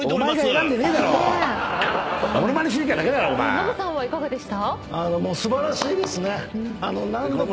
ノブさんはいかがでした？